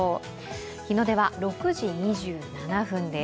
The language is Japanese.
日の出は６時２７分です。